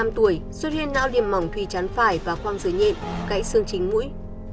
cvh hai mươi năm tuổi xuất hiện não điềm mỏng thùy chán phải và khoang dưới nhện gãy xương chính mũi